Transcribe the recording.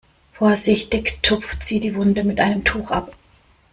Vorsichtig tupft sie die Wunde mit einem Tuch ab.